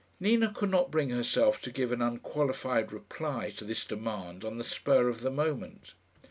Nina could not bring herself to give an unqualified reply to this demand on the spur of the moment.